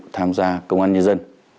tham gia công an nhân dân